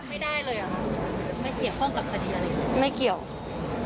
ไม่ได้เลยหรือคะไม่เกี่ยวพร้อมกับคดีอะไร